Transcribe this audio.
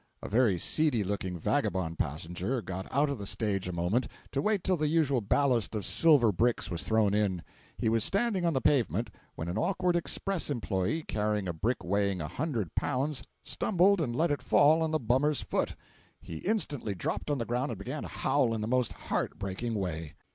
A very seedy looking vagabond passenger got out of the stage a moment to wait till the usual ballast of silver bricks was thrown in. He was standing on the pavement, when an awkward express employee, carrying a brick weighing a hundred pounds, stumbled and let it fall on the bummer's foot. He instantly dropped on the ground and began to howl in the most heart breaking way.